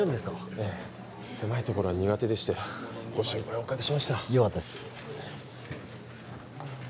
ええ狭いところは苦手でしてご心配をおかけしましたよかったです